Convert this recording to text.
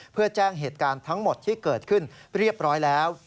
เพื่อแจ้งเหตุการณ์ทั้งหมดที่เกิดขึ้นเรียบร้อยแล้ว